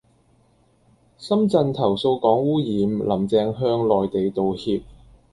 深圳投訴港污染,林鄭向內地道歉